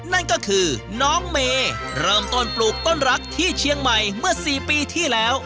นั่นก็คือน้องเมย์เริ่มต้นปลูกต้นรักที่เชียงใหม่เมื่อ๔ปีที่แล้ว